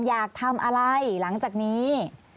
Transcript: อยากทำอะไรหลังจากนี้